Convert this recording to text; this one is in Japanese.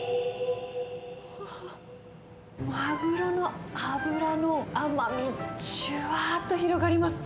マグロの脂の甘み、じゅわーっと広がります。